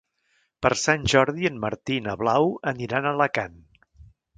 Per Sant Jordi en Martí i na Blau aniran a Alacant.